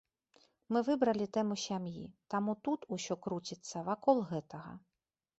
Мы выбралі тэму сям'і, таму тут усё круціцца вакол гэтага.